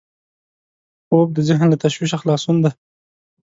خوب د ذهن له تشویشه خلاصون دی